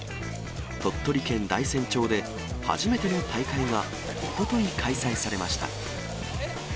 鳥取県大山町で、初めての大会が、おととい開催されました。